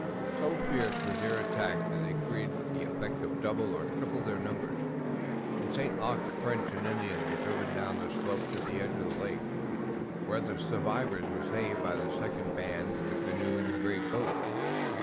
So fierce was their attack that they created the effect of double or triple their numbers, and St. Luc's French and Indians were driven down the slope to the edge of the lake, where the survivors were saved by the second band in the canoes and great boats.